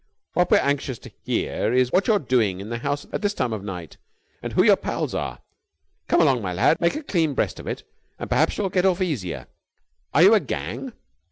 What we're anxious to hear is what you're doing in the house at this time of night, and who your pals are. Come along, my lad, make a clean breast of it and perhaps you'll get off easier. Are you a gang?"